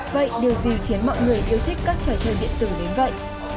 vậy điều gì khiến mọi người yêu thích các trò chơi điện tử đến vậy